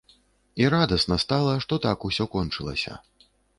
І радасна стала, што так усё кончылася.